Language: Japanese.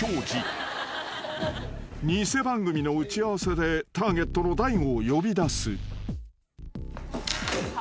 ［偽番組の打ち合わせでターゲットの大悟を呼び出す］